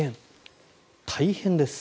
大変です。